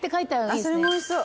あっそれもおいしそう。